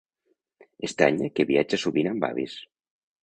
Estranya que viatja sovint amb avis.